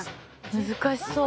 難しそう。